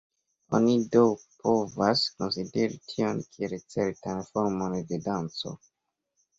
Oni do povas konsideri tion kiel certan formon de danco.